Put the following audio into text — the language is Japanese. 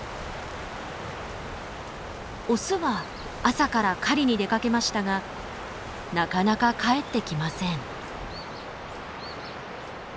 オスは朝から狩りに出かけましたがなかなか帰ってきません。